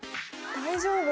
大丈夫？